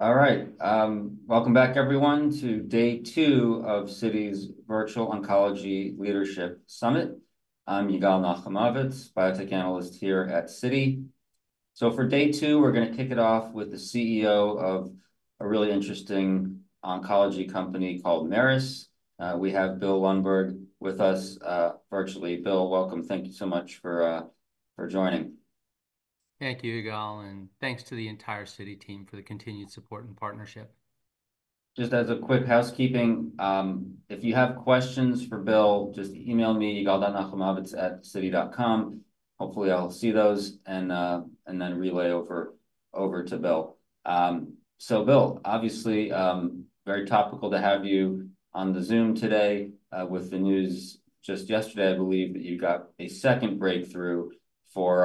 All right. Welcome back, everyone, to Day 2 of Citi's Virtual Oncology Leadership Summit. I'm Yigal Nochomovitz, biotech analyst here at Citi. So for Day 2, we're going to kick it off with the CEO of a really interesting oncology company called Merus. We have Bill Lundberg with us virtually. Bill, welcome. Thank you so much for joining. Thank you, Yigal, and thanks to the entire Citi team for the continued support and partnership. Just as a quick housekeeping, if you have questions for Bill, just email me, yigal.nochomovitz@citi.com. Hopefully, I'll see those and then relay over to Bill, so Bill, obviously, very topical to have you on the Zoom today with the news just yesterday. I believe that you got a second breakthrough for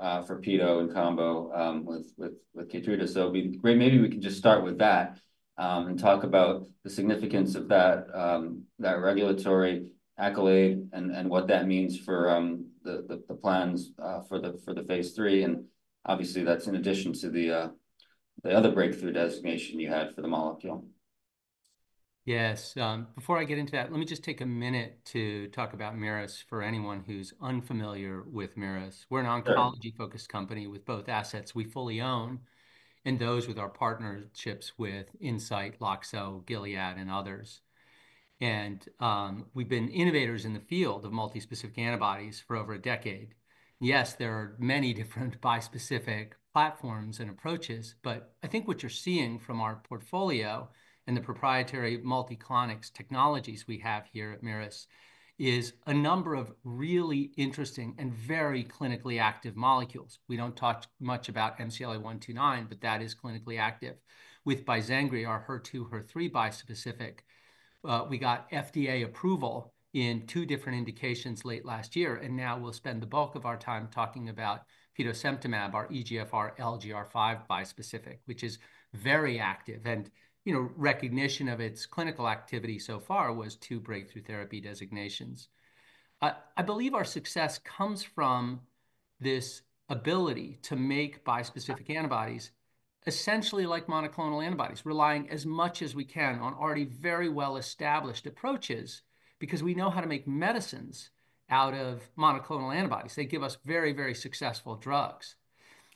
petosemtamab and combo with Keytruda. So it'd be great maybe we can just start with that and talk about the significance of that regulatory accolade and what that means for the plans for the phase III, and obviously, that's in addition to the other breakthrough designation you had for the molecule. Yes. Before I get into that, let me just take a minute to talk about Merus for anyone who's unfamiliar with Merus. We're an oncology-focused company with both assets we fully own and those with our partnerships with Incyte, Loxo, Gilead, and others, and we've been innovators in the field of multi-specific antibodies for over a decade. Yes, there are many different bispecific platforms and approaches, but I think what you're seeing from our portfolio and the proprietary Multiclonics technologies we have here at Merus is a number of really interesting and very clinically active molecules. We don't talk much about MCLA-129, but that is clinically active. With Bizengri, our HER2/HER3 bispecific, we got FDA approval in two different indications late last year, and now we'll spend the bulk of our time talking about petosemtamab, our EGFR-LGR5 bispecific, which is very active. Recognition of its clinical activity so far was two breakthrough therapy designations. I believe our success comes from this ability to make bispecific antibodies essentially like monoclonal antibodies, relying as much as we can on already very well-established approaches because we know how to make medicines out of monoclonal antibodies. They give us very, very successful drugs.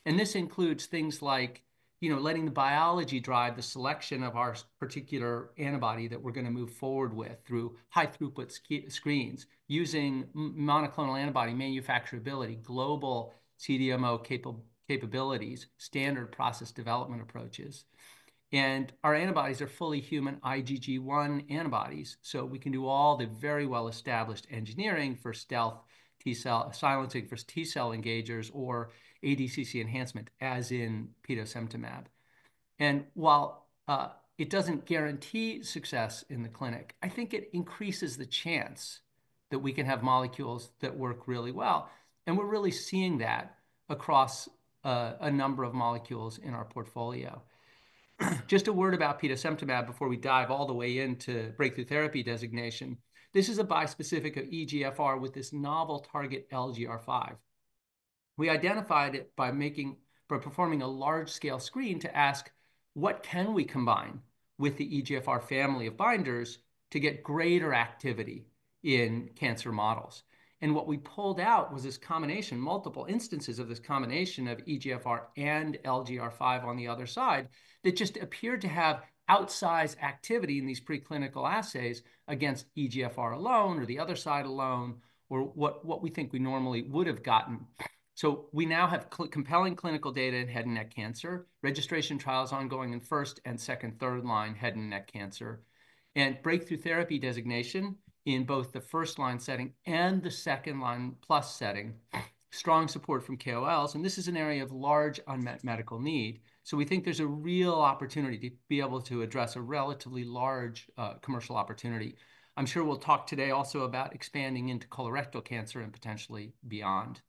This includes things like letting the biology drive the selection of our particular antibody that we're going to move forward with through high-throughput screens, using monoclonal antibody manufacturability, global CDMO capabilities, standard process development approaches. Our antibodies are fully human IgG1 antibodies, so we can do all the very well-established engineering for stealth silencing for T-cell engagers or ADCC enhancement, as in petosemtamab. While it doesn't guarantee success in the clinic, I think it increases the chance that we can have molecules that work really well. And we're really seeing that across a number of molecules in our portfolio. Just a word about petosemtamab before we dive all the way into breakthrough therapy designation. This is a bispecific of EGFR with this novel target LGR5. We identified it by performing a large-scale screen to ask, what can we combine with the EGFR family of binders to get greater activity in cancer models? And what we pulled out was this combination, multiple instances of this combination of EGFR and LGR5 on the other side that just appeared to have outsized activity in these preclinical assays against EGFR alone or the other side alone or what we think we normally would have gotten. So we now have compelling clinical data in head and neck cancer, registration trials ongoing in first- and second-, third-line head and neck cancer, and breakthrough therapy designation in both the first-line setting and the second-line plus setting, strong support from KOLs. And this is an area of large unmet medical need. So we think there's a real opportunity to be able to address a relatively large commercial opportunity. I'm sure we'll talk today also about expanding into colorectal cancer and potentially beyond.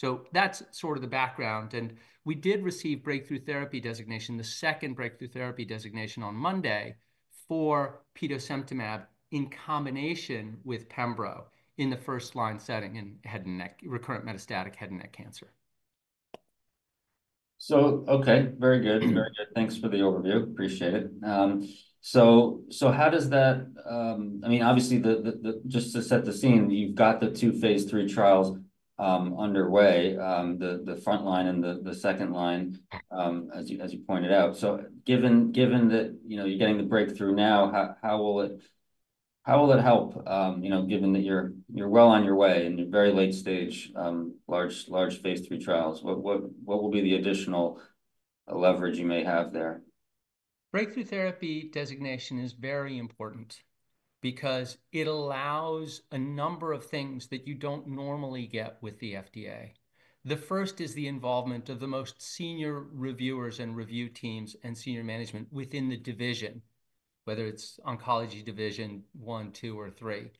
So that's sort of the background. And we did receive breakthrough therapy designation, the second breakthrough therapy designation on Monday for petosemtamab in combination with pembro in the first-line setting in recurrent metastatic head and neck cancer. Okay, very good. Very good. Thanks for the overview. Appreciate it. How does that, I mean, obviously, just to set the scene, you've got the two phase III trials underway, the front line and the second line, as you pointed out. Given that you're getting the breakthrough now, how will it help given that you're well on your way and you're very late stage, large phase III trials? What will be the additional leverage you may have there? Breakthrough therapy designation is very important because it allows a number of things that you don't normally get with the FDA. The first is the involvement of the most senior reviewers and review teams and senior management within the division, whether it's Oncology Division One, Two, or Three.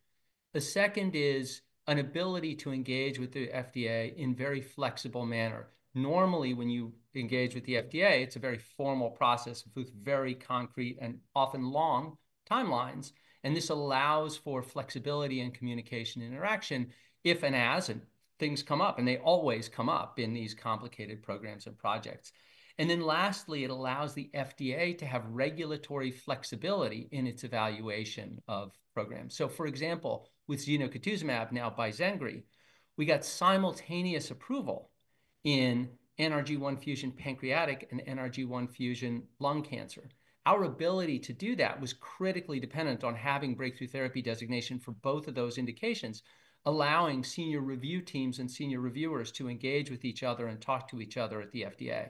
The second is an ability to engage with the FDA in a very flexible manner. Normally, when you engage with the FDA, it's a very formal process with very concrete and often long timelines. And this allows for flexibility and communication interaction if and as things come up, and they always come up in these complicated programs and projects, and then lastly, it allows the FDA to have regulatory flexibility in its evaluation of programs, so for example, with zenocutuzumab, now Bizengri, we got simultaneous approval in NRG1 fusion pancreatic and NRG1 fusion lung cancer. Our ability to do that was critically dependent on having breakthrough therapy designation for both of those indications, allowing senior review teams and senior reviewers to engage with each other and talk to each other at the FDA.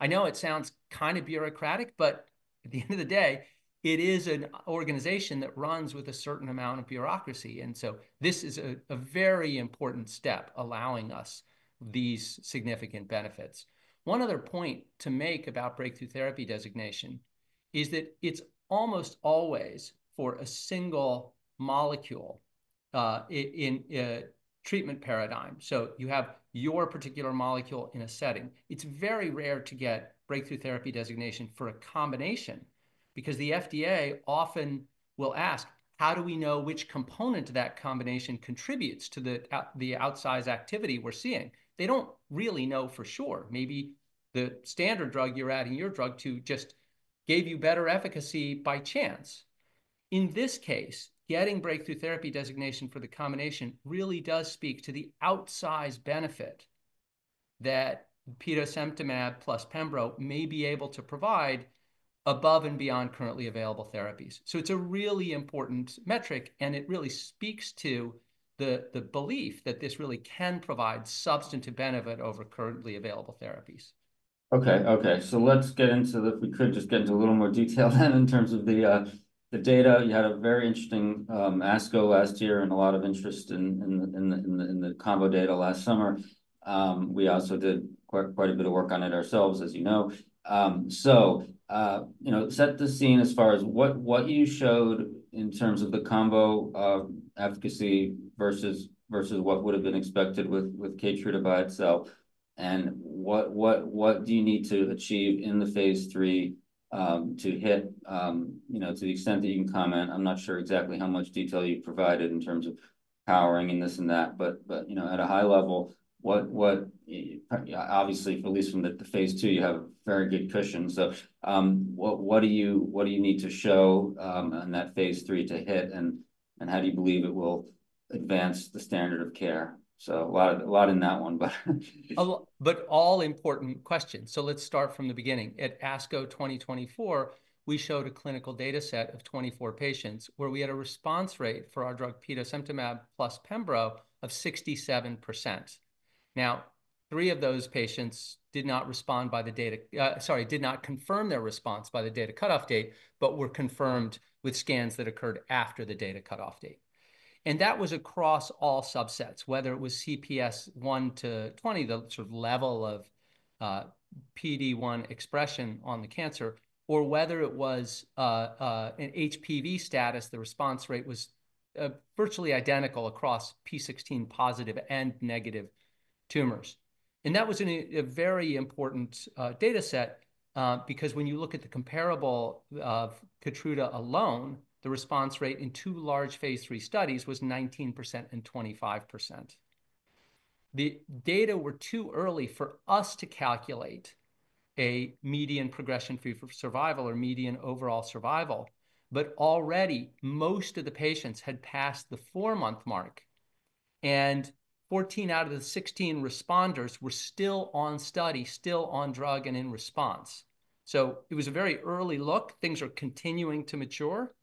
I know it sounds kind of bureaucratic, but at the end of the day, it is an organization that runs with a certain amount of bureaucracy. And so this is a very important step, allowing us these significant benefits. One other point to make about breakthrough therapy designation is that it's almost always for a single molecule in treatment paradigm. So you have your particular molecule in a setting. It's very rare to get breakthrough therapy designation for a combination because the FDA often will ask, how do we know which component of that combination contributes to the outsized activity we're seeing? They don't really know for sure. Maybe the standard drug you're adding to your drug just gave you better efficacy by chance. In this case, getting breakthrough therapy designation for the combination really does speak to the outsized benefit that petosemtamab plus pembro may be able to provide above and beyond currently available therapies. So it's a really important metric, and it really speaks to the belief that this really can provide substantive benefit over currently available therapies. Okay. Okay, so let's get into the, if we could just get into a little more detail then in terms of the data. You had a very interesting ASCO last year and a lot of interest in the combo data last summer. We also did quite a bit of work on it ourselves, as you know, so set the scene as far as what you showed in terms of the combo efficacy versus what would have been expected with Keytruda by itself, and what do you need to achieve in the phase III to hit, to the extent that you can comment? I'm not sure exactly how much detail you provided in terms of powering and this and that, but at a high level, obviously, at least from the phase II, you have a very good cushion. So what do you need to show in that phase III to hit, and how do you believe it will advance the standard of care? So a lot in that one, but. But all important questions. So let's start from the beginning. At ASCO 2024, we showed a clinical data set of 24 patients where we had a response rate for our drug petosemtamab plus pembro of 67%. Now, three of those patients did not respond by the data, sorry, did not confirm their response by the data cutoff date, but were confirmed with scans that occurred after the data cutoff date. And that was across all subsets, whether it was CPS 1-20, the sort of level of PD-1 expression on the cancer, or whether it was an HPV status, the response rate was virtually identical across p16-positive and negative tumors. And that was a very important data set because when you look at the comparable of Keytruda alone, the response rate in two large phase III studies was 19% and 25%. The data were too early for us to calculate a median progression-free survival or median overall survival, but already most of the patients had passed the four-month mark, and 14 out of the 16 responders were still on study, still on drug and in response. So it was a very early look. Things are continuing to mature,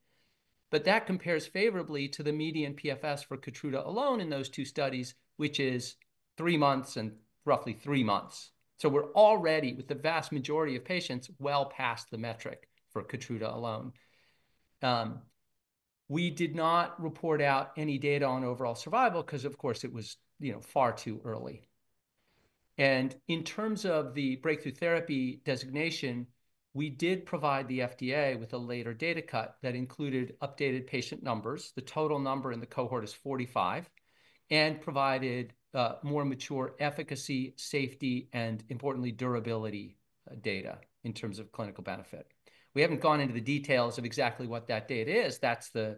but that compares favorably to the median PFS for Keytruda alone in those two studies, which is three months and roughly three months. So we're already, with the vast majority of patients, well past the median for Keytruda alone. We did not report out any data on overall survival because, of course, it was far too early. And in terms of the breakthrough therapy designation, we did provide the FDA with a later data cut that included updated patient numbers. The total number in the cohort is 45 and provided more mature efficacy, safety, and importantly, durability data in terms of clinical benefit. We haven't gone into the details of exactly what that data is. That's the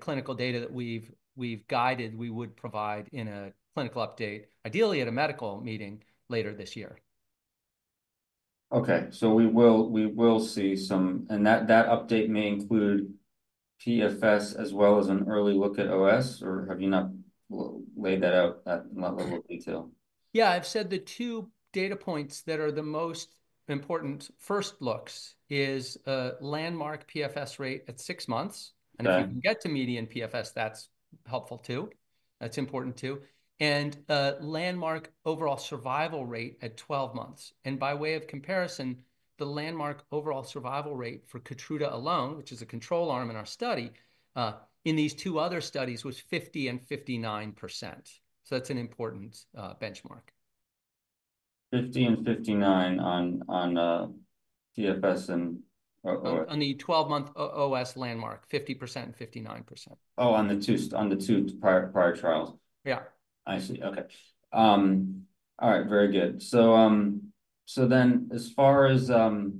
clinical data that we've guided we would provide in a clinical update, ideally at a medical meeting later this year. Okay, so we will see some, and that update may include PFS as well as an early look at OS, or have you not laid that out at that level of detail? Yeah. I've said the two data points that are the most important first looks is landmark PFS rate at six months. And if you can get to median PFS, that's helpful too. That's important too. And landmark overall survival rate at 12 months. And by way of comparison, the landmark overall survival rate for Keytruda alone, which is a control arm in our study, in these two other studies was 50% and 59%. So that's an important benchmark. 50% and 59% on PFS and. On the 12-month OS landmark, 50% and 59%. Oh, on the two prior trials. Yeah. I see. Okay. All right. Very good. So then as far as timelines,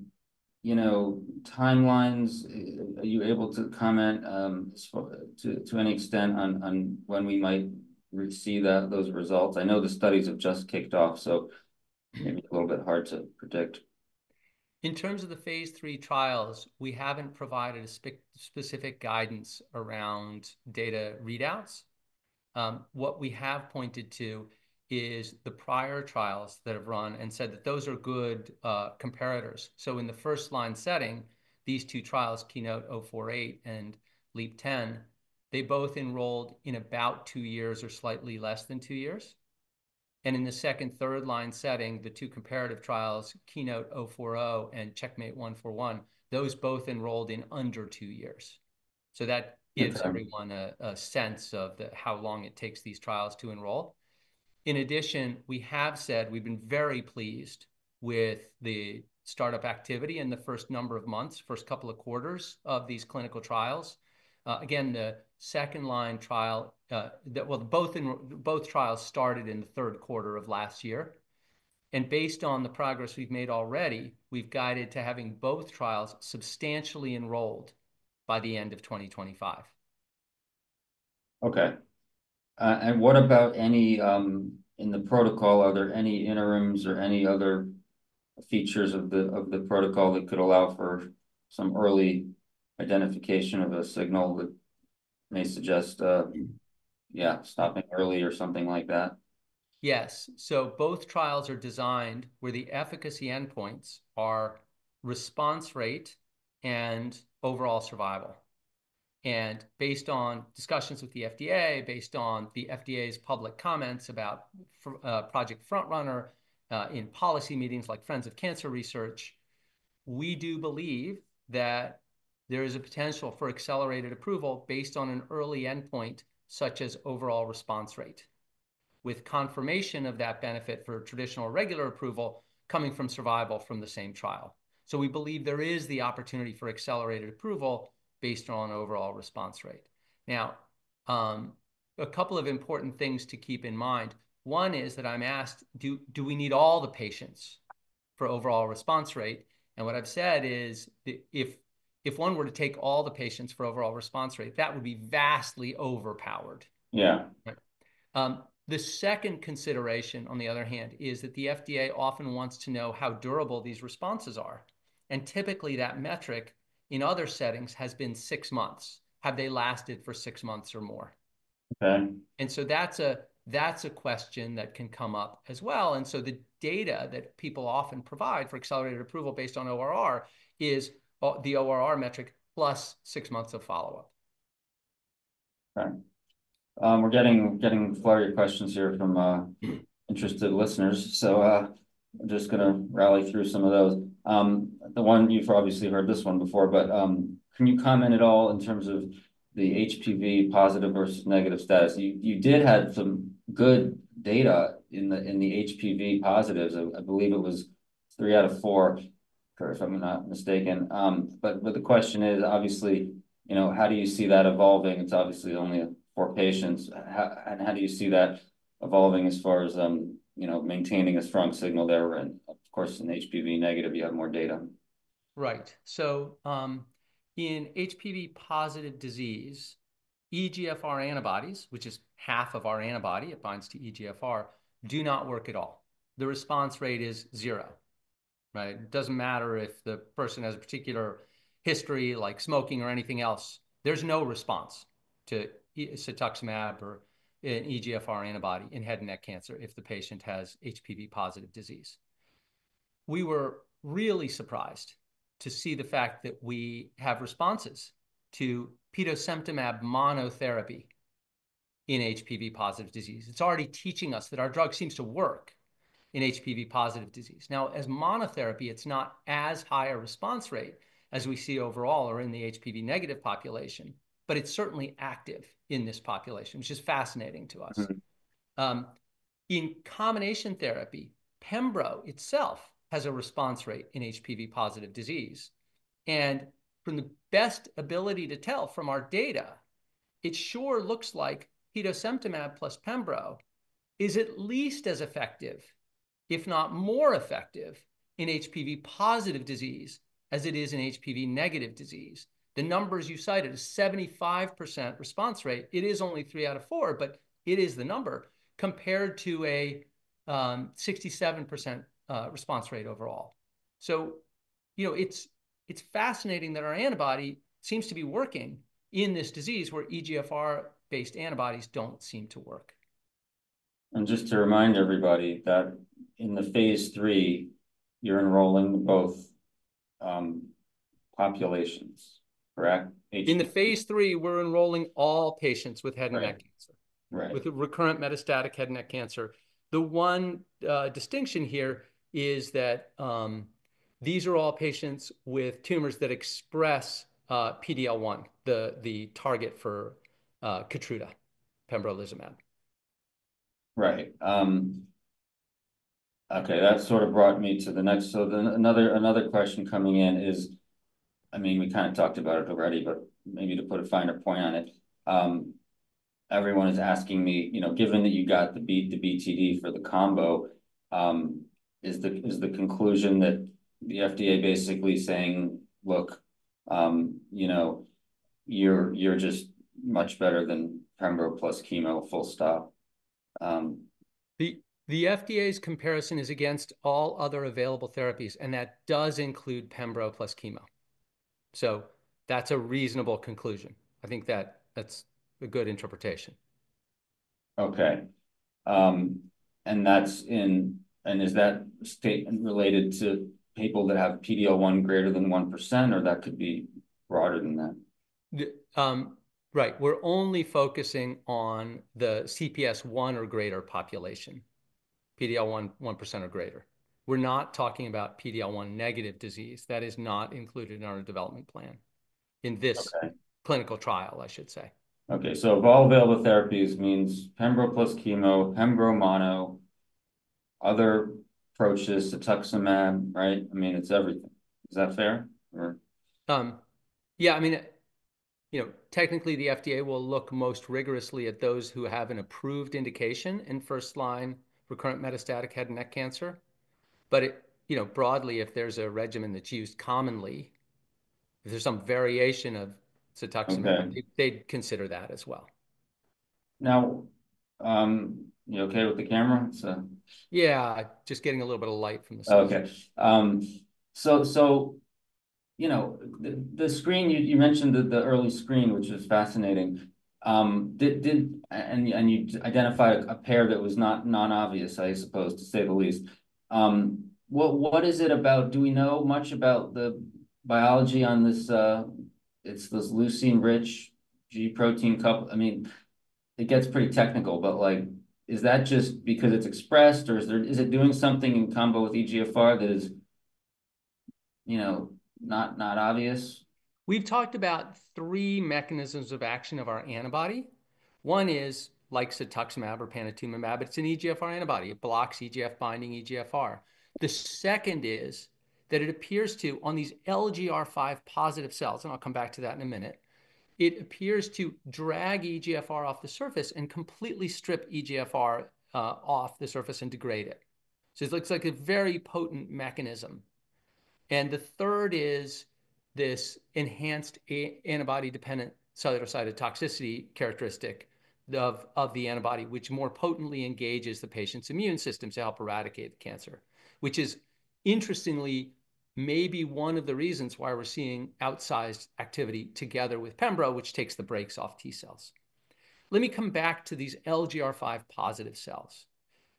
are you able to comment to any extent on when we might see those results? I know the studies have just kicked off, so maybe a little bit hard to predict. In terms of the phase III trials, we haven't provided specific guidance around data readouts. What we have pointed to is the prior trials that have run and said that those are good comparators, so in the first-line setting, these two trials, KEYNOTE-048 and LEAP-010, they both enrolled in about two years or slightly less than two years, and in the second- and third-line setting, the two comparative trials, KEYNOTE-040 and CheckMate 141, those both enrolled in under two years, so that gives everyone a sense of how long it takes these trials to enroll. In addition, we have said we've been very pleased with the startup activity in the first number of months, first couple of quarters of these clinical trials. Again, the second-line trial, well, both trials started in the third quarter of last year. Based on the progress we've made already, we've guided to having both trials substantially enrolled by the end of 2025. Okay. And what about in the protocol, are there any interims or any other features of the protocol that could allow for some early identification of a signal that may suggest, yeah, stopping early or something like that? Yes. So both trials are designed where the efficacy endpoints are response rate and overall survival. And based on discussions with the FDA, based on the FDA's public comments about Project FrontRunner in policy meetings like Friends of Cancer Research, we do believe that there is a potential for accelerated approval based on an early endpoint such as overall response rate, with confirmation of that benefit for traditional regular approval coming from survival from the same trial. So we believe there is the opportunity for accelerated approval based on overall response rate. Now, a couple of important things to keep in mind. One is that I'm asked, do we need all the patients for overall response rate? And what I've said is if one were to take all the patients for overall response rate, that would be vastly overpowered. Yeah. The second consideration, on the other hand, is that the FDA often wants to know how durable these responses are. Typically, that metric in other settings has been six months. Have they lasted for six months or more? Okay. That's a question that can come up as well. The data that people often provide for accelerated approval based on ORR is the ORR metric plus six months of follow-up. Okay. We're getting flooded with questions here from interested listeners. So I'm just going to rattle through some of those. The one, you've obviously heard this one before, but can you comment at all in terms of the HPV-positive versus negative status? You did have some good data in the HPV-positives. I believe it was three out of four, if I'm not mistaken. But the question is, obviously, how do you see that evolving? It's obviously only four patients. And how do you see that evolving as far as maintaining a strong signal there? And of course, in HPV-negative, you have more data. Right. So in HPV-positive disease, EGFR antibodies, which is half of our antibody, it binds to EGFR, do not work at all. The response rate is zero. Right? It doesn't matter if the person has a particular history like smoking or anything else. There's no response to cetuximab or an EGFR antibody in head and neck cancer if the patient has HPV-positive disease. We were really surprised to see the fact that we have responses to petosemtamab monotherapy in HPV-positive disease. It's already teaching us that our drug seems to work in HPV-positive disease. Now, as monotherapy, it's not as high a response rate as we see overall or in the HPV-negative population, but it's certainly active in this population, which is fascinating to us. In combination therapy, pembro itself has a response rate in HPV-positive disease. From the best ability to tell from our data, it sure looks like petosemtamab plus pembro is at least as effective, if not more effective, in HPV-positive disease as it is in HPV-negative disease. The numbers you cited, a 75% response rate, it is only three out of four, but it is the number compared to a 67% response rate overall. It's fascinating that our antibody seems to be working in this disease where EGFR-based antibodies don't seem to work. Just to remind everybody that in the phase III, you're enrolling both populations, correct? In the phase III, we're enrolling all patients with head and neck cancer, with recurrent metastatic head and neck cancer. The one distinction here is that these are all patients with tumors that express PD-L1, the target for Keytruda, pembrolizumab. Right. Okay. That sort of brought me to the next. So another question coming in is, I mean, we kind of talked about it already, but maybe to put a finer point on it, everyone is asking me, given that you got the BTD for the combo, is the conclusion that the FDA basically saying, "Look, you're just much better than pembro plus chemo, full stop"? The FDA's comparison is against all other available therapies, and that does include pembro plus chemo. So that's a reasonable conclusion. I think that that's a good interpretation. Okay, and is that statement related to people that have PD-L1 greater than 1%, or that could be broader than that? Right. We're only focusing on the CPS 1 or greater population, PD-L1 1% or greater. We're not talking about PD-L1 negative disease. That is not included in our development plan in this clinical trial, I should say. Okay. So of all available therapies, it means pembro plus chemo, pembro mono, other approaches, cetuximab, right? I mean, it's everything. Is that fair? Yeah. I mean, technically, the FDA will look most rigorously at those who have an approved indication in first-line recurrent metastatic head and neck cancer. But broadly, if there's a regimen that's used commonly, if there's some variation of cetuximab, they'd consider that as well. Now, you okay with the camera? Yeah. Just getting a little bit of light from the screen. Okay. So the screen, you mentioned the early screen, which is fascinating. And you identified a pair that was not obvious, I suppose, to say the least. What is it about? Do we know much about the biology on this? It's this leucine-rich G-protein-coupled. I mean, it gets pretty technical, but is that just because it's expressed, or is it doing something in combo with EGFR that is not obvious? We've talked about three mechanisms of action of our antibody. One is like cetuximab or panitumumab. It's an EGFR antibody. It blocks EGF-binding EGFR. The second is that it appears to, on these LGR5-positive cells, and I'll come back to that in a minute, it appears to drag EGFR off the surface and completely strip EGFR off the surface and degrade it. So it looks like a very potent mechanism. And the third is this enhanced antibody-dependent cellular cytotoxicity characteristic of the antibody, which more potently engages the patient's immune system to help eradicate the cancer, which is interestingly maybe one of the reasons why we're seeing outsized activity together with pembro, which takes the brakes off T-cells. Let me come back to these LGR5-positive cells.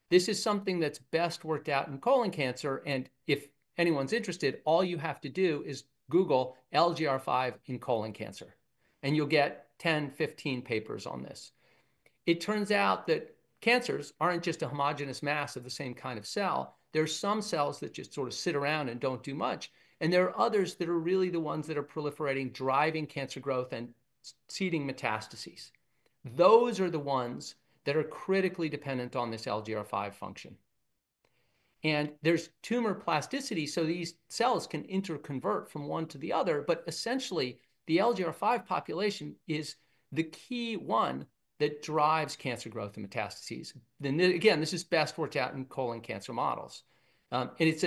This is something that's best worked out in colon cancer. If anyone's interested, all you have to do is google LGR5 in colon cancer, and you'll get 10, 15 papers on this. It turns out that cancers aren't just a homogeneous mass of the same kind of cell. There are some cells that just sort of sit around and don't do much. And there are others that are really the ones that are proliferating, driving cancer growth and seeding metastases. Those are the ones that are critically dependent on this LGR5 function. And there's tumor plasticity, so these cells can interconvert from one to the other. But essentially, the LGR5 population is the key one that drives cancer growth and metastases. Again, this is best worked out in colon cancer models. And it's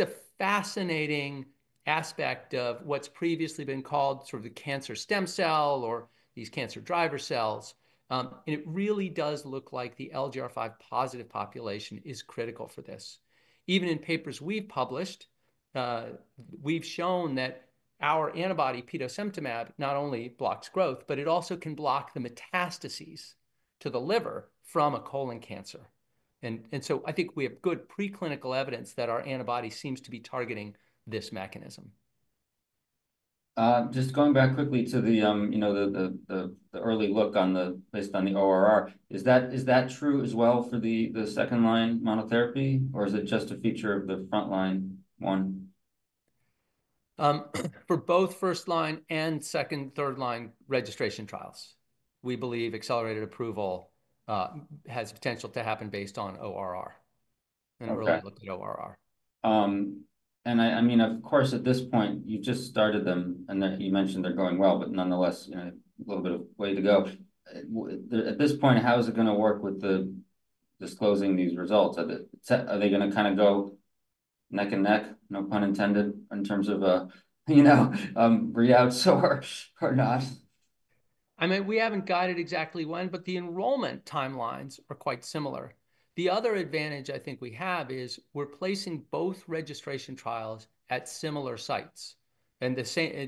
a fascinating aspect of what's previously been called sort of the cancer stem cell or these cancer driver cells. And it really does look like the LGR5-positive population is critical for this. Even in papers we've published, we've shown that our antibody, petosemtamab, not only blocks growth, but it also can block the metastases to the liver from a colon cancer. And so I think we have good preclinical evidence that our antibody seems to be targeting this mechanism. Just going back quickly to the early look based on the ORR, is that true as well for the second-line monotherapy, or is it just a feature of the front-line one? For both first-line and second, third-line registration trials, we believe accelerated approval has potential to happen based on ORR and early look at ORR. I mean, of course, at this point, you've just started them, and you mentioned they're going well, but nonetheless, a little bit of way to go. At this point, how is it going to work with disclosing these results? Are they going to kind of go neck and neck, no pun intended, in terms of readouts or not? I mean, we haven't guided exactly when, but the enrollment timelines are quite similar. The other advantage I think we have is we're placing both registration trials at similar sites and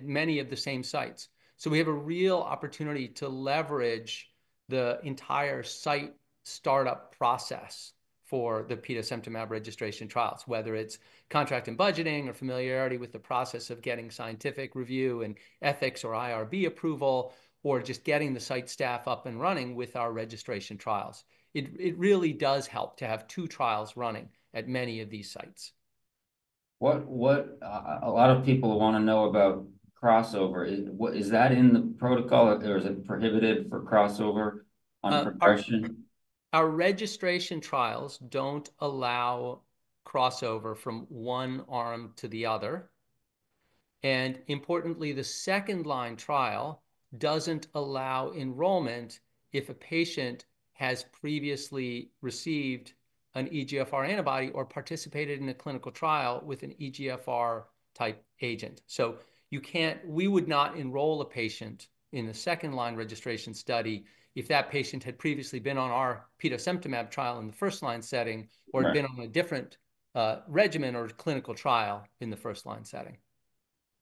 many of the same sites. So we have a real opportunity to leverage the entire site startup process for the petosemtamab registration trials, whether it's contract and budgeting or familiarity with the process of getting scientific review and ethics or IRB approval, or just getting the site staff up and running with our registration trials. It really does help to have two trials running at many of these sites. A lot of people want to know about crossover. Is that in the protocol, or is it prohibited for crossover on progression? Our registration trials don't allow crossover from one arm to the other. And importantly, the second-line trial doesn't allow enrollment if a patient has previously received an EGFR antibody or participated in a clinical trial with an EGFR-type agent. So we would not enroll a patient in a second-line registration study if that patient had previously been on our petosemtamab trial in the first-line setting or had been on a different regimen or clinical trial in the first-line setting.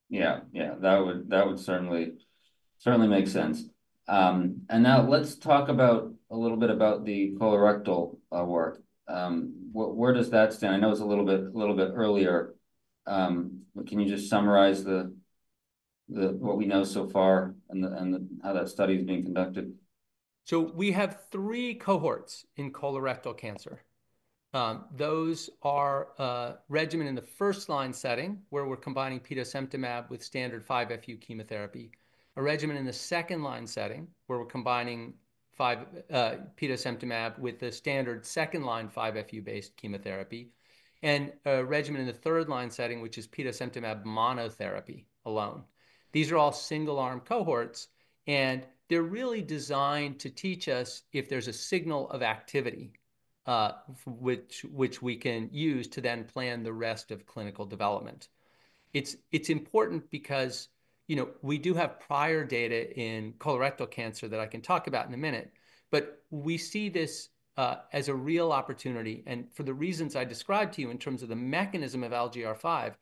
Yeah. Yeah. That would certainly make sense. And now let's talk a little bit about the colorectal work. Where does that stand? I know it's a little bit earlier. Can you just summarize what we know so far and how that study is being conducted? We have three cohorts in colorectal cancer. Those are a regimen in the first-line setting where we're combining petosemtamab with standard 5-FU chemotherapy, a regimen in the second-line setting where we're combining petosemtamab with the standard second-line 5-FU-based chemotherapy, and a regimen in the third-line setting, which is petosemtamab monotherapy alone. These are all single-arm cohorts, and they're really designed to teach us if there's a signal of activity, which we can use to then plan the rest of clinical development. It's important because we do have prior data in colorectal cancer that I can talk about in a minute, but we see this as a real opportunity. For the reasons I described to you in terms of the mechanism of LGR5,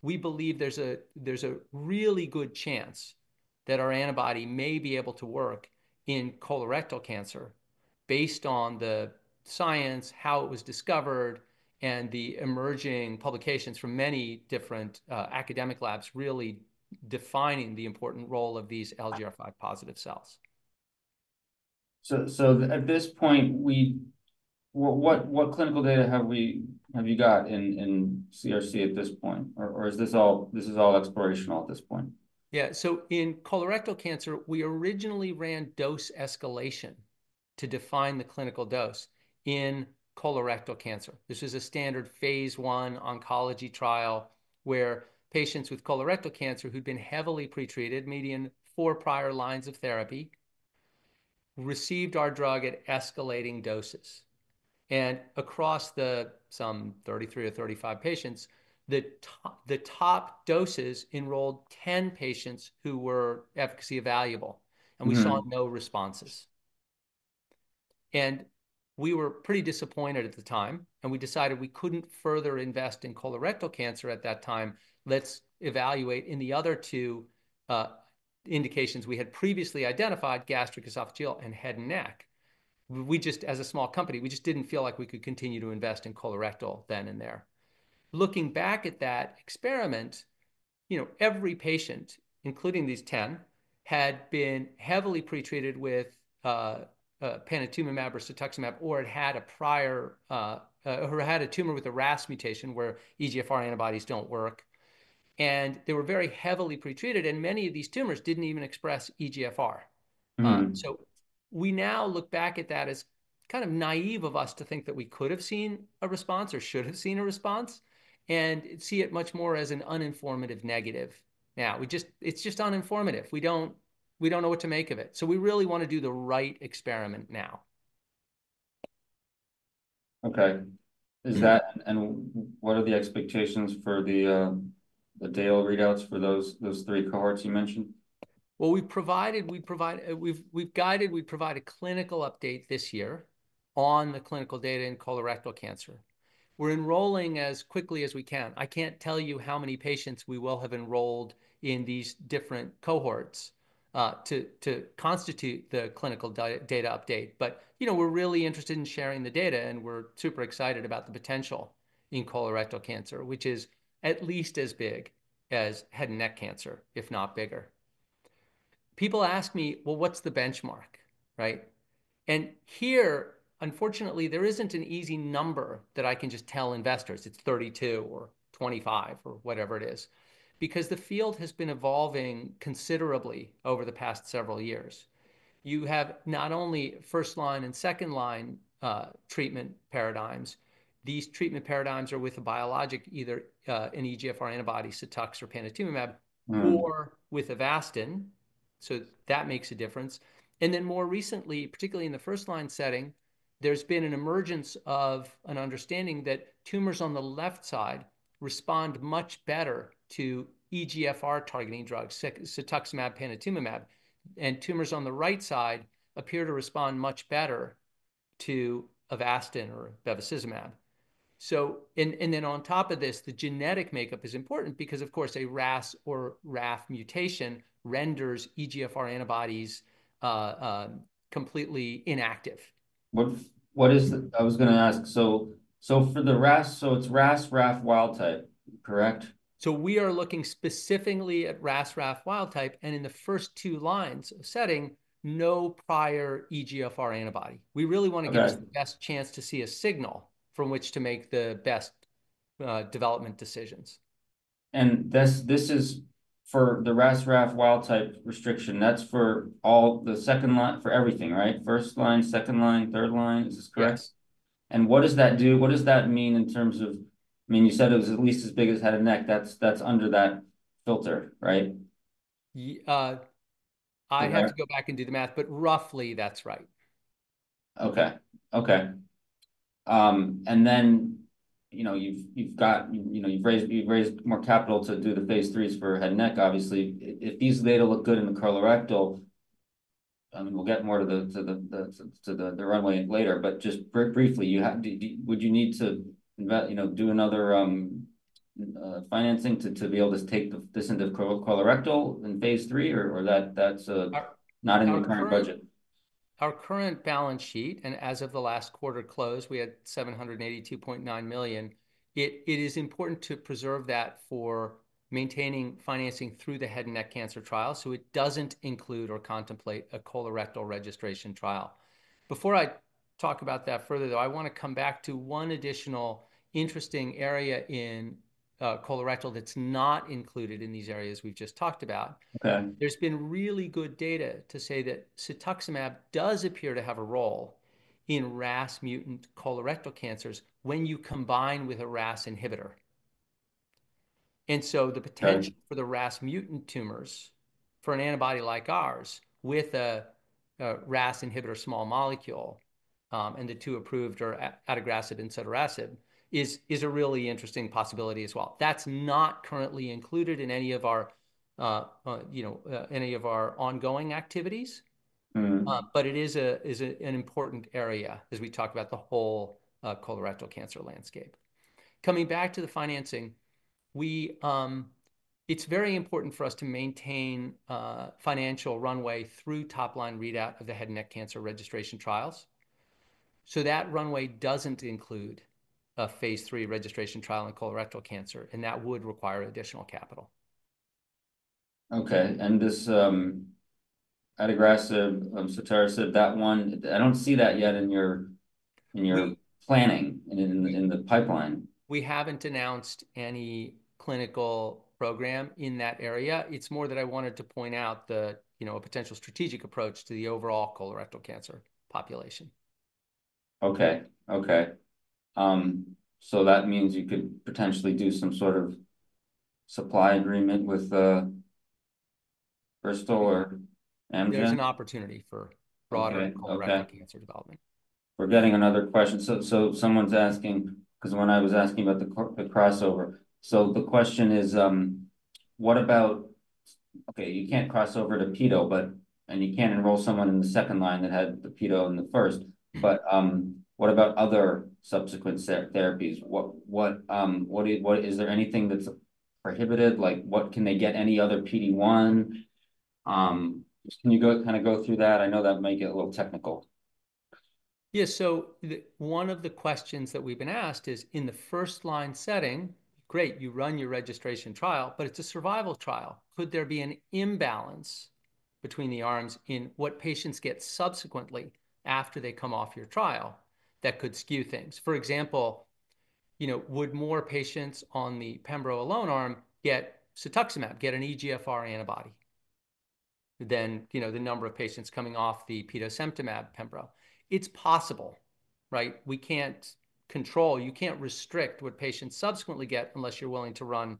we believe there's a really good chance that our antibody may be able to work in colorectal cancer based on the science, how it was discovered, and the emerging publications from many different academic labs really defining the important role of these LGR5-positive cells. So at this point, what clinical data have you got in CRC at this point, or is this all exploratory at this point? Yeah. So in colorectal cancer, we originally ran dose escalation to define the clinical dose. In colorectal cancer, this was a standard phase I oncology trial where patients with colorectal cancer who'd been heavily pretreated, median four prior lines of therapy, received our drug at escalating doses. And across then some 33 or 35 patients, the top doses enrolled 10 patients who were efficacy evaluable, and we saw no responses. And we were pretty disappointed at the time, and we decided we couldn't further invest in colorectal cancer at that time. Let's evaluate in the other two indications we had previously identified, gastroesophageal and head and neck. As a small company, we just didn't feel like we could continue to invest in colorectal then and there. Looking back at that experiment, every patient, including these 10, had been heavily pretreated with panitumumab or cetuximab, or had a tumor with a RAS mutation where EGFR antibodies don't work, and they were very heavily pretreated, and many of these tumors didn't even express EGFR, so we now look back at that as kind of naive of us to think that we could have seen a response or should have seen a response and see it much more as an uninformative negative. Now, it's just uninformative. We don't know what to make of it, so we really want to do the right experiment now. Okay, and what are the expectations for the daily readouts for those three cohorts you mentioned? We've guided, we've provided clinical update this year on the clinical data in colorectal cancer. We're enrolling as quickly as we can. I can't tell you how many patients we will have enrolled in these different cohorts to constitute the clinical data update. But we're really interested in sharing the data, and we're super excited about the potential in colorectal cancer, which is at least as big as head and neck cancer, if not bigger. People ask me, "Well, what's the benchmark," right? And here, unfortunately, there isn't an easy number that I can just tell investors. It's 32 or 25 or whatever it is because the field has been evolving considerably over the past several years. You have not only first-line and second-line treatment paradigms. These treatment paradigms are with a biologic, either an EGFR antibody, cetuximab or panitumumab, or with Avastin. So that makes a difference. And then more recently, particularly in the first-line setting, there's been an emergence of an understanding that tumors on the left side respond much better to EGFR-targeting drugs, cetuximab, panitumumab, and tumors on the right side appear to respond much better to Avastin or bevacizumab. And then on top of this, the genetic makeup is important because, of course, a RAS or RAF mutation renders EGFR antibodies completely inactive. I was going to ask, so for the RAS, so it's RAS, RAF, wild type, correct? So we are looking specifically at RAS, RAF, wild type, and in the first two lines of setting, no prior EGFR antibody. We really want to get the best chance to see a signal from which to make the best development decisions. This is for the RAS, RAF, wild type restriction. That's for all the second line, for everything, right? First line, second line, third line, is this correct? Yes. And what does that do? What does that mean in terms of, I mean, you said it was at least as big as head and neck. That's under that filter, right? I have to go back and do the math, but roughly that's right. And then you've raised more capital to do the phase IIIs for head and neck, obviously. If these data look good in the colorectal, I mean, we'll get more to the runway later. But just briefly, would you need to do another financing to be able to take this into colorectal in phase III, or that's not in the current budget? Our current balance sheet, and as of the last quarter close, we had $782.9 million. It is important to preserve that for maintaining financing through the head and neck cancer trial, so it doesn't include or contemplate a colorectal registration trial. Before I talk about that further, though, I want to come back to one additional interesting area in colorectal that's not included in these areas we've just talked about. There's been really good data to say that cetuximab does appear to have a role in RAS mutant colorectal cancers when you combine with a RAS inhibitor, and so the potential for the RAS mutant tumors for an antibody like ours with a RAS inhibitor small molecule and the two approved are adagrasib and sotorasib is a really interesting possibility as well. That's not currently included in any of our ongoing activities, but it is an important area as we talk about the whole colorectal cancer landscape. Coming back to the financing, it's very important for us to maintain financial runway through top-line readout of the head and neck cancer registration trials. So that runway doesn't include a phase III registration trial in colorectal cancer, and that would require additional capital. Okay, and this adagrasib, sotorasib, that one, I don't see that yet in your planning in the pipeline. We haven't announced any clinical program in that area. It's more that I wanted to point out a potential strategic approach to the overall colorectal cancer population. Okay. Okay. So that means you could potentially do some sort of supply agreement with Bristol or Amgen? There's an opportunity for broader colorectal cancer development. We're getting another question. So someone's asking, because when I was asking about the crossover, so the question is, what about, okay, you can't cross over to petosemtamab, and you can't enroll someone in the second line that had the petosemtamab in the first, but what about other subsequent therapies? Is there anything that's prohibited? What can they get, any other PD-1? Can you kind of go through that? I know that might get a little technical. Yeah. So one of the questions that we've been asked is in the first-line setting, great, you run your registration trial, but it's a survival trial. Could there be an imbalance between the arms in what patients get subsequently after they come off your trial that could skew things? For example, would more patients on the pembrolizumab arm get cetuximab, get an EGFR antibody than the number of patients coming off the petosemtamab pembrolizumab? It's possible, right? You can't restrict what patients subsequently get unless you're willing to run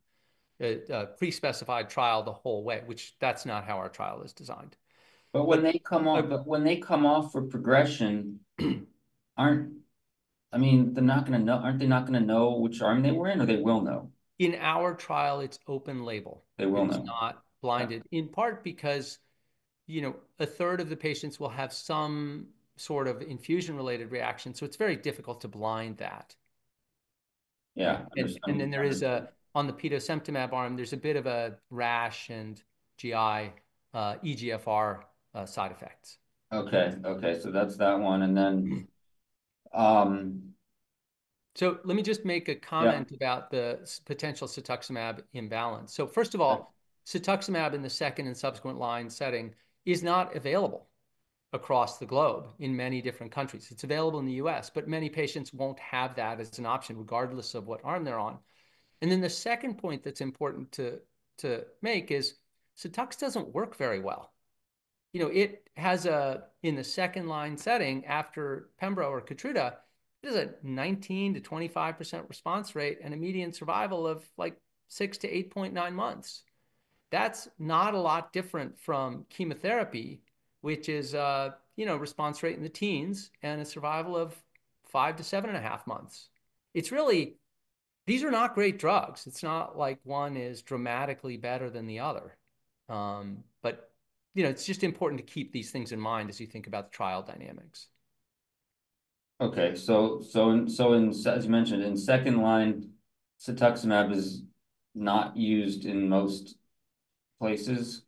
a pre-specified trial the whole way, which that's not how our trial is designed. But when they come off for progression, I mean, they're not going to know, aren't they not going to know which arm they were in, or they will know? In our trial, it's open label. They will know. It's not blinded, in part because a third of the patients will have some sort of infusion-related reaction, so it's very difficult to blind that. Yeah. And then on the petosemtamab arm, there's a bit of a rash and GI EGFR side effects. Okay. Okay. So that's that one. And then. Let me just make a comment about the potential cetuximab imbalance. First of all, cetuximab in the second- and subsequent-line setting is not available across the globe in many different countries. It's available in the U.S., but many patients won't have that as an option regardless of what arm they're on. Then the second point that's important to make is cetux doesn't work very well. It has a, in the second-line setting, after pembrolizumab or Keytruda, there's a 19%-25% response rate and a median survival of like 6-8.9 months. That's not a lot different from chemotherapy, which is a response rate in the teens and a survival of 5-7.5 months. These are not great drugs. It's not like one is dramatically better than the other. But it's just important to keep these things in mind as you think about the trial dynamics. Okay. So as you mentioned, in second line, cetuximab is not used in most places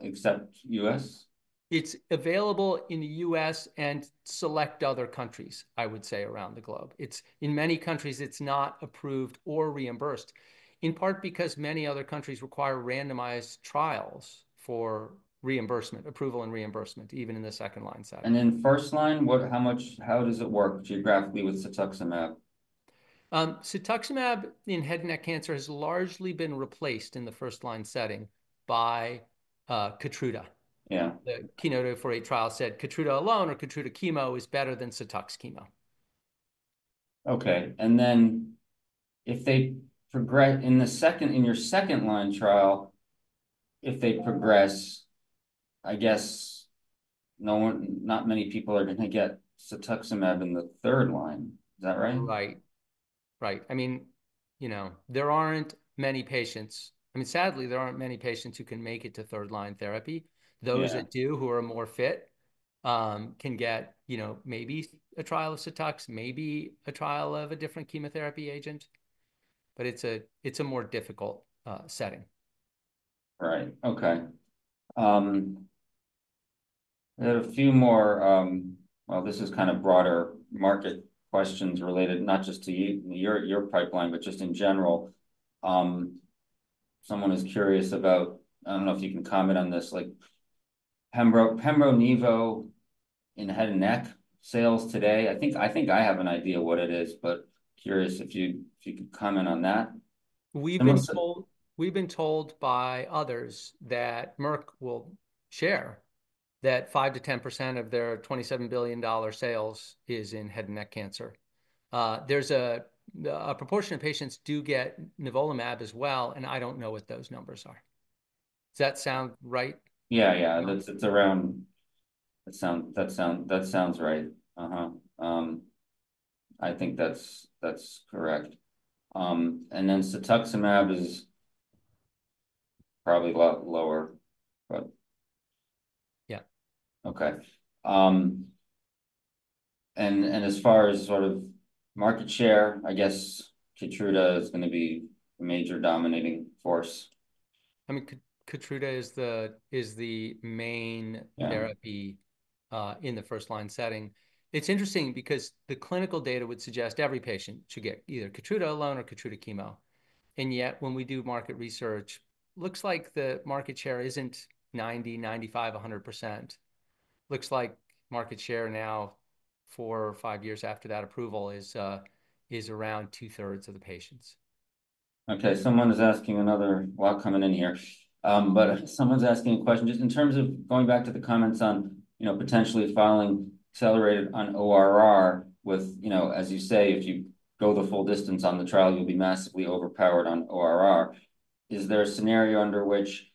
except the U.S.? It's available in the U.S. and select other countries, I would say, around the globe. In many countries, it's not approved or reimbursed, in part because many other countries require randomized trials for approval and reimbursement, even in the second-line setting. In first line, how does it work geographically with cetuximab? Cetuximab in head and neck cancer has largely been replaced in the first-line setting by Keytruda. The KEYNOTE-048 trial said Keytruda alone or Keytruda chemo is better than cetuximab chemo. Okay. And then in your second-line trial, if they progress, I guess not many people are going to get cetuximab in the third line. Is that right? Right. Right. I mean, there aren't many patients. I mean, sadly, there aren't many patients who can make it to third-line therapy. Those that do, who are more fit, can get maybe a trial of cetuximab, maybe a trial of a different chemotherapy agent, but it's a more difficult setting. Right. Okay. I had a few more, well, this is kind of broader market questions related not just to your pipeline, but just in general. Someone is curious about, I don't know if you can comment on this, like pembrolizumab in head and neck sales today. I think I have an idea what it is, but curious if you could comment on that. We've been told by others that Merck will share that 5%-10% of their $27 billion sales is in head and neck cancer. There's a proportion of patients who do get nivolumab as well, and I don't know what those numbers are. Does that sound right? Yeah. Yeah. That sounds right. I think that's correct. And then cetuximab is probably a lot lower, but. Yeah. Okay, and as far as sort of market share, I guess Keytruda is going to be a major dominating force. I mean, Keytruda is the main therapy in the first-line setting. It's interesting because the clinical data would suggest every patient should get either Keytruda alone or Keytruda chemo. And yet, when we do market research, it looks like the market share isn't 90%, 95%, 100%. Looks like market share now, four or five years after that approval, is around 2/3 of the patients. Okay. Someone is asking another while coming in here. But someone's asking a question just in terms of going back to the comments on potentially filing accelerated on ORR with, as you say, if you go the full distance on the trial, you'll be massively overpowered on ORR. Is there a scenario under which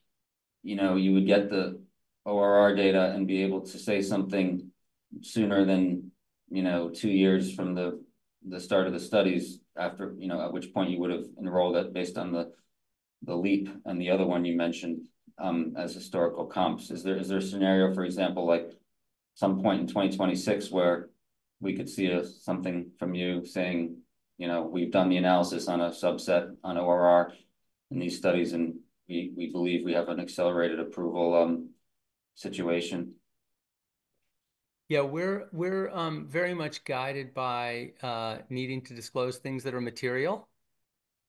you would get the ORR data and be able to say something sooner than two years from the start of the studies at which point you would have enrolled it based on the LEAP and the other one you mentioned as historical comps? Is there a scenario, for example, like some point in 2026 where we could see something from you saying, "We've done the analysis on a subset on ORR in these studies, and we believe we have an accelerated approval situation"? Yeah. We're very much guided by needing to disclose things that are material,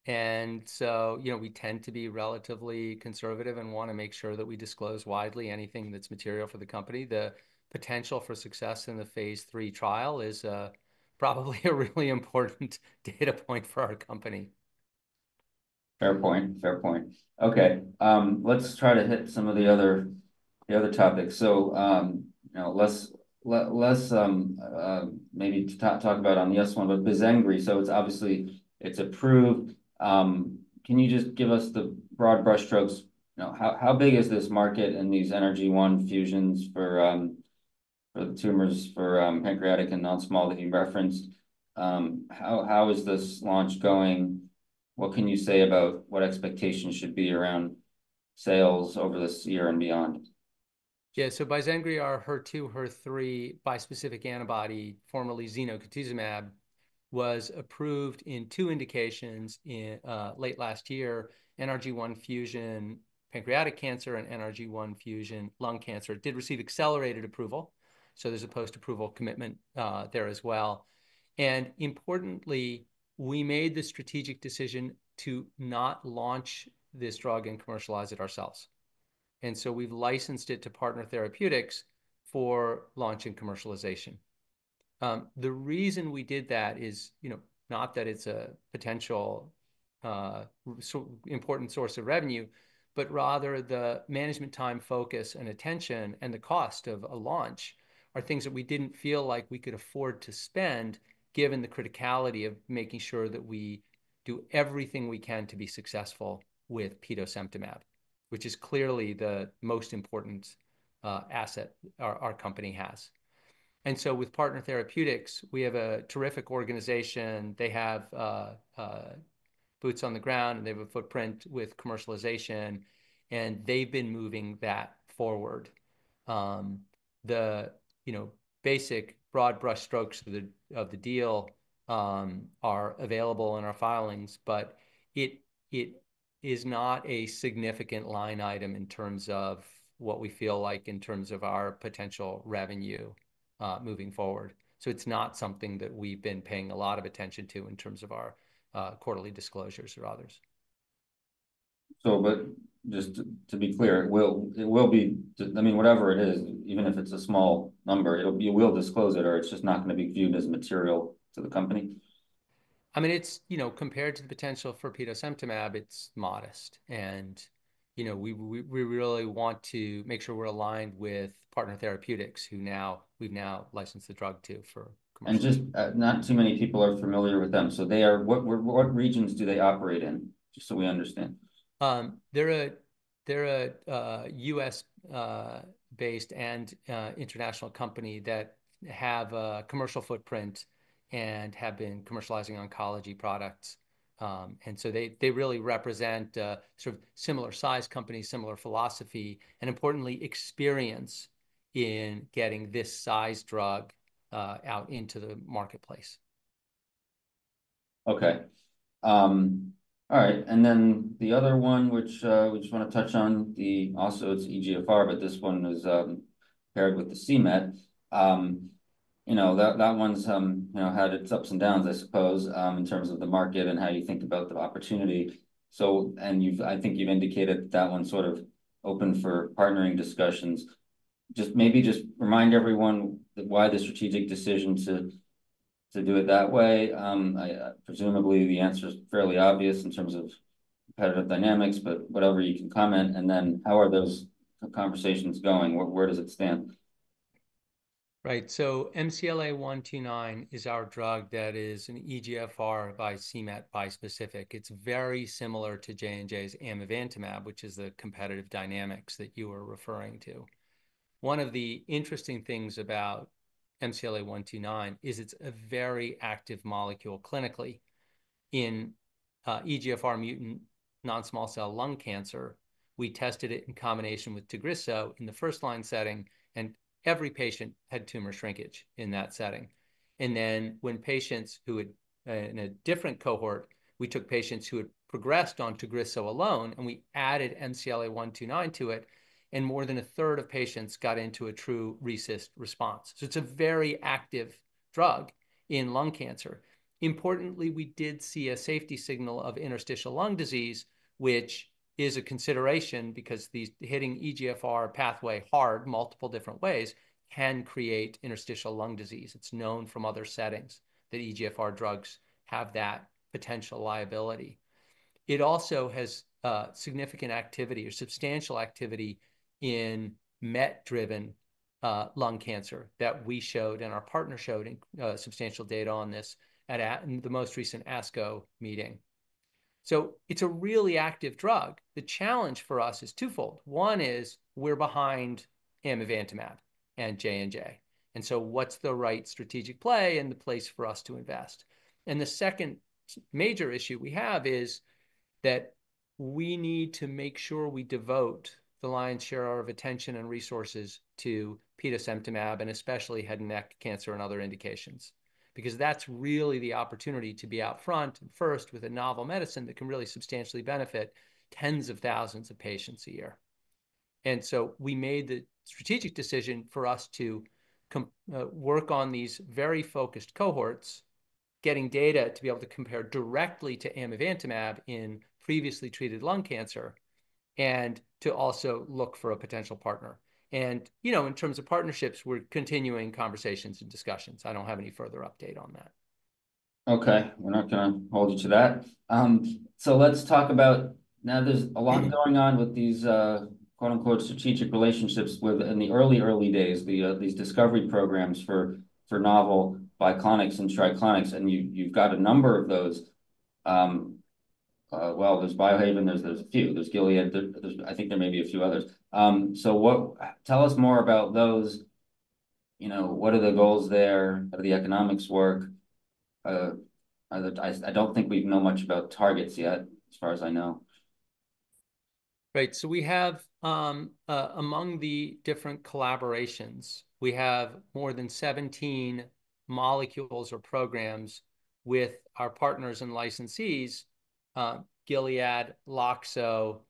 and so we tend to be relatively conservative and want to make sure that we disclose widely anything that's material for the company. The potential for success in the phase III trial is probably a really important data point for our company. Fair point. Fair point. Okay. Let's try to hit some of the other topics. So let's maybe talk about on the next one, but Bizengri, so it's obviously approved. Can you just give us the broad brushstrokes? How big is this market and these NRG1 fusions for the tumors for pancreatic and non-small that you referenced? How is this launch going? What can you say about what expectations should be around sales over this year and beyond? Yeah, so Bizengri, our HER2, HER3 bispecific antibody, formerly zenocutuzumab, was approved in two indications late last year, NRG1 fusion pancreatic cancer and NRG1 fusion lung cancer. It did receive accelerated approval, so there's a post-approval commitment there as well, and importantly, we made the strategic decision to not launch this drug and commercialize it ourselves, and so we've licensed it to Partner Therapeutics for launch and commercialization. The reason we did that is not that it's a potential important source of revenue, but rather the management time focus and attention and the cost of a launch are things that we didn't feel like we could afford to spend given the criticality of making sure that we do everything we can to be successful with petosemtamab, which is clearly the most important asset our company has, and so with Partner Therapeutics, we have a terrific organization. They have boots on the ground, and they have a footprint with commercialization, and they've been moving that forward. The basic broad brushstrokes of the deal are available in our filings, but it is not a significant line item in terms of what we feel like in terms of our potential revenue moving forward. So it's not something that we've been paying a lot of attention to in terms of our quarterly disclosures or others. But just to be clear, it will be, I mean, whatever it is, even if it's a small number, you will disclose it, or it's just not going to be viewed as material to the company? I mean, compared to the potential for petosemtamab, it's modest. We really want to make sure we're aligned with Partner Therapeutics, who we've now licensed the drug to for commercial. Just not too many people are familiar with them. What regions do they operate in? Just so we understand. They're a U.S.-based and international company that have a commercial footprint and have been commercializing oncology products. And so they really represent sort of similar-sized companies, similar philosophy, and importantly, experience in getting this size drug out into the marketplace. Okay. All right. And then the other one, which we just want to touch on, also it's EGFR, but this one is paired with the c-MET. That one's had its ups and downs, I suppose, in terms of the market and how you think about the opportunity. And I think you've indicated that one's sort of open for partnering discussions. Just maybe just remind everyone why the strategic decision to do it that way. Presumably, the answer is fairly obvious in terms of competitive dynamics, but whatever you can comment. And then how are those conversations going? Where does it stand? Right. So MCLA-129 is our drug that is an EGFR x c-MET bispecific. It's very similar to J&J's amivantamab, which is the competitive dynamics that you were referring to. One of the interesting things about MCLA-129 is it's a very active molecule clinically. In EGFR mutant non-small cell lung cancer, we tested it in combination with Tagrisso in the first-line setting, and every patient had tumor shrinkage in that setting. And then, in a different cohort, we took patients who had progressed on Tagrisso alone, and we added MCLA-129 to it, and more than a third of patients got into a true response. So it's a very active drug in lung cancer. Importantly, we did see a safety signal of interstitial lung disease, which is a consideration because hitting EGFR pathway hard multiple different ways can create interstitial lung disease. It's known from other settings that EGFR drugs have that potential liability. It also has significant activity or substantial activity in MET-driven lung cancer that we showed and our partner showed substantial data on this at the most recent ASCO meeting. So it's a really active drug. The challenge for us is twofold. One is we're behind amivantamab and J&J. And so what's the right strategic play and the place for us to invest? And the second major issue we have is that we need to make sure we devote the lion's share of attention and resources to petosemtamab and especially head and neck cancer and other indications because that's really the opportunity to be out front and first with a novel medicine that can really substantially benefit tens of thousands of patients a year. And so we made the strategic decision for us to work on these very focused cohorts, getting data to be able to compare directly to amivantamab in previously treated lung cancer and to also look for a potential partner. And in terms of partnerships, we're continuing conversations and discussions. I don't have any further update on that. Okay. We're not going to hold you to that. So let's talk about now there's a lot going on with these "strategic relationships" in the early, early days, these discovery programs for novel Biclonics and Triclonics. And you've got a number of those. Well, there's Biohaven. There's a few. There's Gilead. I think there may be a few others. So tell us more about those. What are the goals there? How do the economics work? I don't think we know much about targets yet as far as I know. Right. So among the different collaborations, we have more than 17 molecules or programs with our partners and licensees, Gilead, Loxo,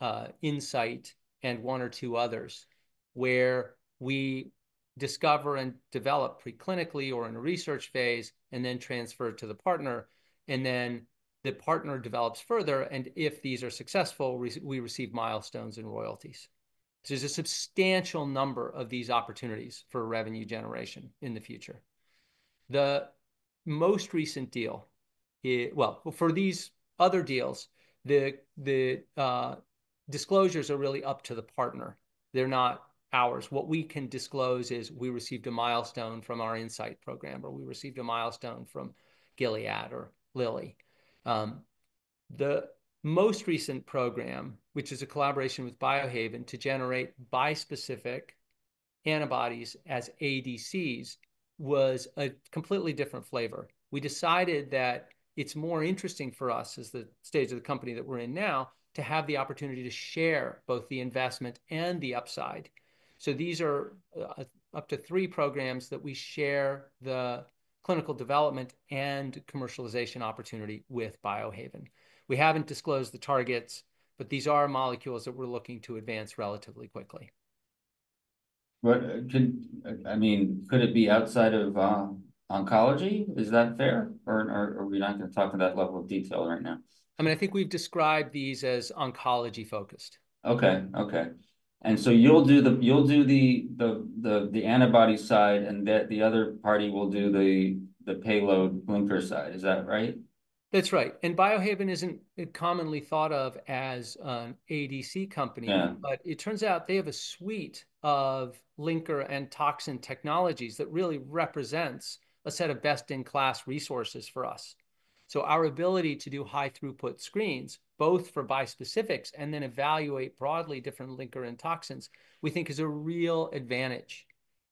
Incyte, and one or two others, where we discover and develop preclinically or in a research phase and then transfer to the partner, and then the partner develops further, and if these are successful, we receive milestones and royalties, so there's a substantial number of these opportunities for revenue generation in the future. The most recent deal, well, for these other deals, the disclosures are really up to the partner. They're not ours. What we can disclose is we received a milestone from our Incyte program, or we received a milestone from Gilead or. The most recent program, which is a collaboration with Biohaven to generate bispecific antibodies as ADCs, was a completely different flavor. We decided that it's more interesting for us as the stage of the company that we're in now to have the opportunity to share both the investment and the upside. So these are up to three programs that we share the clinical development and commercialization opportunity with Biohaven. We haven't disclosed the targets, but these are molecules that we're looking to advance relatively quickly. I mean, could it be outside of oncology? Is that fair? Or are we not going to talk to that level of detail right now? I mean, I think we've described these as oncology-focused. Okay. Okay. And so you'll do the antibody side, and the other party will do the payload linker side. Is that right? That's right. And Biohaven isn't commonly thought of as an ADC company, but it turns out they have a suite of linker and toxin technologies that really represents a set of best-in-class resources for us. So our ability to do high-throughput screens, both for bispecifics and then evaluate broadly different linker and toxins, we think is a real advantage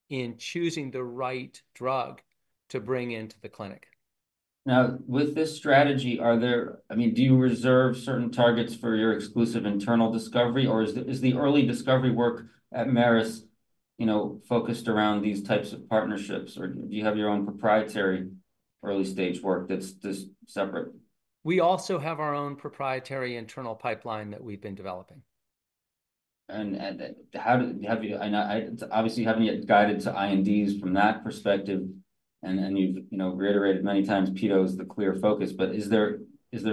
in choosing the right drug to bring into the clinic. Now, with this strategy, I mean, do you reserve certain targets for your exclusive internal discovery, or is the early discovery work at Merus focused around these types of partnerships, or do you have your own proprietary early-stage work that's separate? We also have our own proprietary internal pipeline that we've been developing. And obviously, you haven't yet guided to INDs from that perspective. And you've reiterated many times petosemtamab is the clear focus. But is there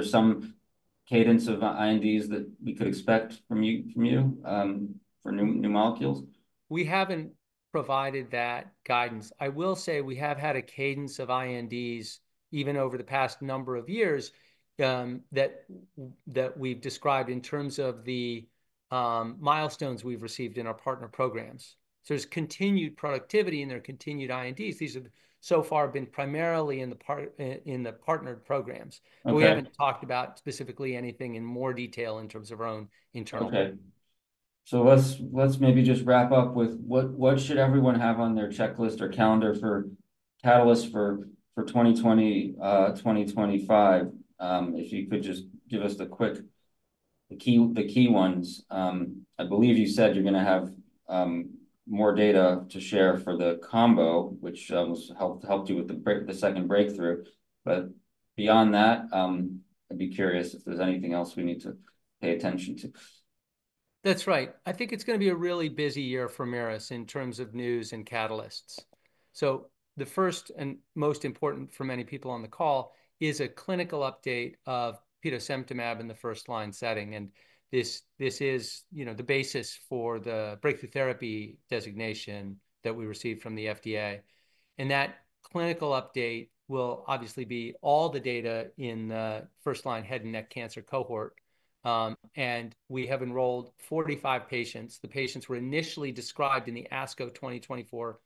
some cadence of INDs that we could expect from you for new molecules? We haven't provided that guidance. I will say we have had a cadence of INDs even over the past number of years that we've described in terms of the milestones we've received in our partner programs. So there's continued productivity, and there are continued INDs. These have so far been primarily in the partnered programs. We haven't talked about specifically anything in more detail in terms of our own internal work. Okay. So let's maybe just wrap up with what should everyone have on their checklist or calendar for catalysts for 2024-2025? If you could just give us the key ones. I believe you said you're going to have more data to share for the combo, which helped you with the second breakthrough. But beyond that, I'd be curious if there's anything else we need to pay attention to. That's right. I think it's going to be a really busy year for Merus in terms of news and catalysts, so the first and most important for many people on the call is a clinical update of petosemtamab in the first-line setting, and this is the basis for the Breakthrough Therapy Designation that we received from the FDA, and that clinical update will obviously be all the data in the first-line head and neck cancer cohort, and we have enrolled 45 patients. The patients were initially described in the ASCO 2024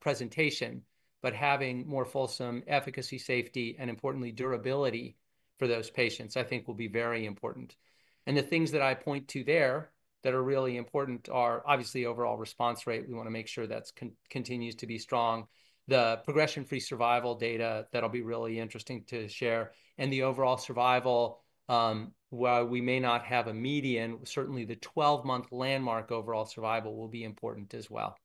presentation, but having more fulsome efficacy, safety, and importantly, durability for those patients, I think, will be very important, and the things that I point to there that are really important are obviously overall response rate. We want to make sure that continues to be strong. The progression-free survival data that'll be really interesting to share. And the overall survival, while we may not have a median, certainly the 12-month landmark overall survival will be important as well.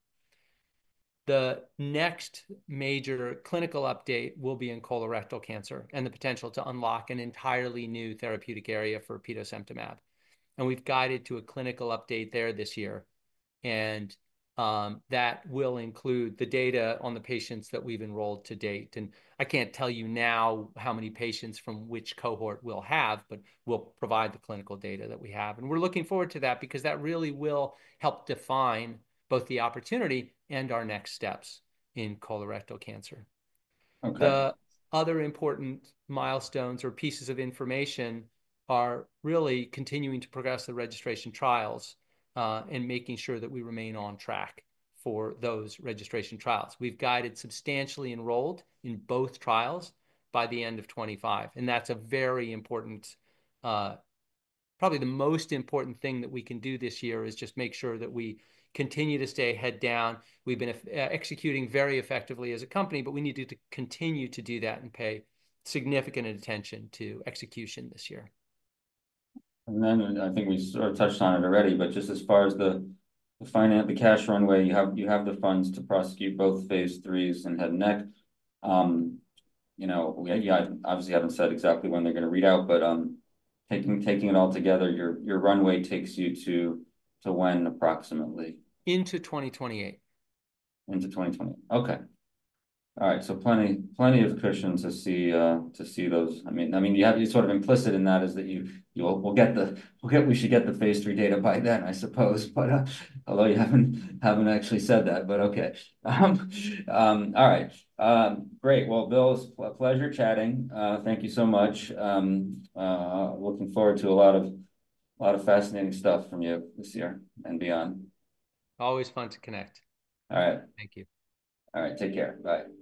The next major clinical update will be in colorectal cancer and the potential to unlock an entirely new therapeutic area for petosemtamab. And we've guided to a clinical update there this year. And that will include the data on the patients that we've enrolled to date. And I can't tell you now how many patients from which cohort we'll have, but we'll provide the clinical data that we have. And we're looking forward to that because that really will help define both the opportunity and our next steps in colorectal cancer. The other important milestones or pieces of information are really continuing to progress the registration trials and making sure that we remain on track for those registration trials. We've guided substantially enrolled in both trials by the end of 2025, and that's a very important, probably the most important thing that we can do this year is just make sure that we continue to stay head down. We've been executing very effectively as a company, but we need to continue to do that and pay significant attention to execution this year. And then I think we sort of touched on it already, but just as far as the cash runway, you have the funds to prosecute both phase IIIs head and neck. Yeah, I obviously haven't said exactly when they're going to read out, but taking it all together, your runway takes you to when approximately? Into 2028. Into 2028. Okay. All right. So plenty of cushions to see those. I mean, you have sort of implicit in that is that we should get the phase III data by then, I suppose. Although you haven't actually said that, but okay. All right. Great. Well, Bill, it was a pleasure chatting. Thank you so much. Looking forward to a lot of fascinating stuff from you this year and beyond. Always fun to connect. All right. Thank you. All right. Take care. Bye.